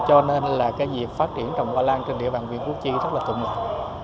cho nên việc phát triển trồng hoa lan trên địa bàn huyện củ chi rất tụng đồng